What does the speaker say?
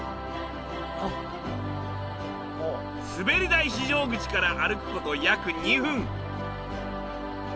滑り台非常口から歩く事約２分。